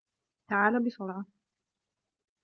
تعال بسرعة.